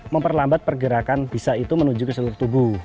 memperlambat pergerakan bisa itu menuju ke darah